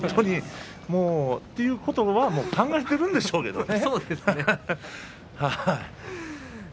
ということは考えているんでしょうけどもね。